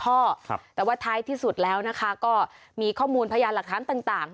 แต่ว่าท้ายที่สุดแล้วนะคะก็มีข้อมูลพยานหลักฐานต่าง